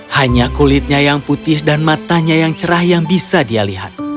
hanya kulitnya yang putih dan matanya yang cerah yang bisa dia lihat